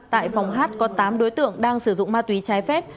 tại phòng hát có tám đối tượng đang sử dụng ma túy trái phép